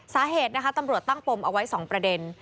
สาเหตุนะคะตำรวจตั้งปมเอาไว้๒ประเด็น